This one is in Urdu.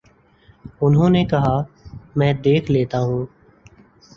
انہوں نے کہا: میں دیکھ لیتا ہوں۔